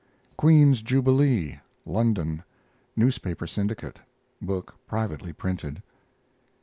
QUEEN'S JUBILEE (London), newspaper syndicate; book privately printed.